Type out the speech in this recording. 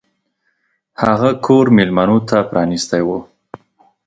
هغه کور میلمنو ته پرانیستی و.